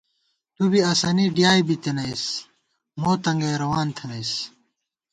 تُو بی اسَنی ڈیائےبِتَنَئیس مو تنگَئ روان تھنَئیس